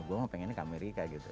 gue mah pengennya ke amerika gitu